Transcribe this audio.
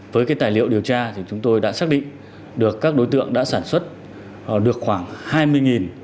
với cái tài liệu điều tra thì chúng tôi đã xác định được các đối tượng đã sản xuất được khoảng hai mươi